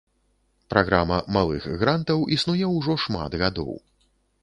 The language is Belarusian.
Праграма малых грантаў існуе ўжо шмат гадоў.